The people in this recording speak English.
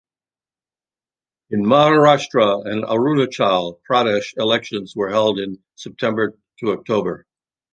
In Maharashtra and Arunachal Pradesh elections were held September-October.